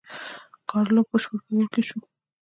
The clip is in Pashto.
ګارلوک بشپړ په اور کې شو.